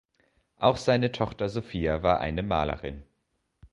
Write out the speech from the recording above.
Auch seine Tochter Sophia war eine Malerin.